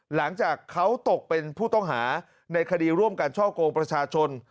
หลังจากเขาตกเป็นผู้ต้องหาในคดีร่วมกันช่อกงประชาชน